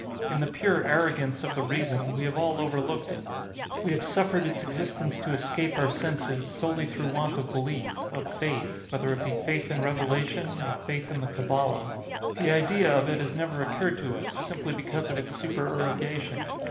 In the pure arrogance of the reason, we have all overlooked it. We have suffered its existence to escape our senses, solely through want of belief—of faith;—whether it be faith in Revelation, or faith in the Kabbala. The idea of it has never occurred to us, simply because of its supererogation.